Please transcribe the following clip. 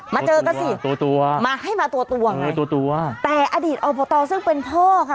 มาเจอกันสิมาให้มาตัวเลยแต่อดีตอบทซึ่งเป็นพ่อค่ะ